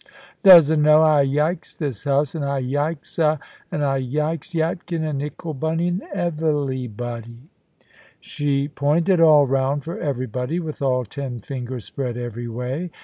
"Does 'a know, I yikes this house, and I yikes 'a, and I yikes Yatkin, and ickle Bunny, and evelybody?" She pointed all round for everybody, with all ten fingers spread everyway.